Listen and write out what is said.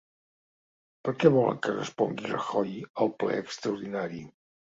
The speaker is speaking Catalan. Per què volen què respongui Rajoy al ple extraordinari?